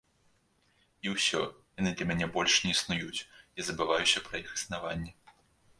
І ўсё, яны для мяне больш не існуюць, я забываюся пра іх існаванне.